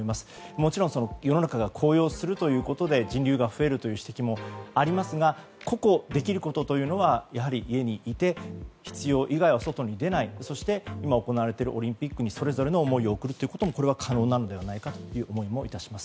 もちろん世の中が高揚するということで人流が増えるという指摘はありますが個々できることというのはやはり家にいて必要以外は外に出ないそして、今行われているオリンピックに声援を送るということも可能ではないかという思いも致します。